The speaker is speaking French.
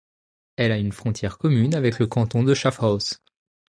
Elle a une frontière commune avec le canton de Schaffhouse.